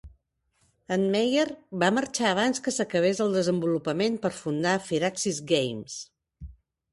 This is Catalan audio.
En Meier va marxar abans que s'acabés el desenvolupament per fundar Firaxis Games.